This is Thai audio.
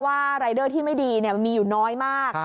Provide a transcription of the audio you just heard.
รายเดอร์ที่ไม่ดีมันมีอยู่น้อยมาก